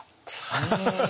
アハハハ。